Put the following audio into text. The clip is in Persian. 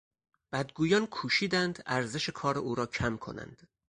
بدگویان کوشیدند ارزش کار او را کم کنند.